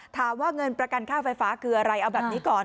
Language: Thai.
เงินประกันค่าไฟฟ้าคืออะไรเอาแบบนี้ก่อน